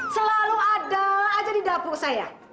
selalu ada aja di dapur saya